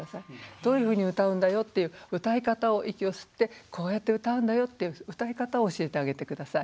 どういうふうに歌うんだよっていう歌い方を息を吸ってこうやって歌うんだよっていう歌い方を教えてあげて下さい。